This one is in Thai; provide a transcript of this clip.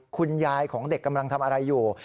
คุณยายของเด็กกำลังทำอะไรอยู่